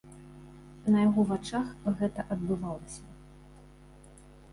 На яго вачах гэта адбывалася.